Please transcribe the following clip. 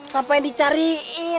siapa yang dicariin